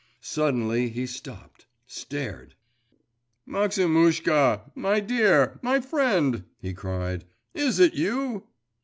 Suddenly he stopped, stared.… 'Maximushka, my dear! my friend!' he cried; 'is it you?